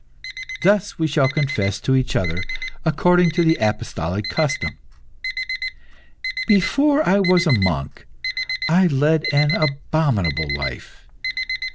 Thus we shall confess to each other, according to the apostolic custom. Before I was a monk, I led an abominable life.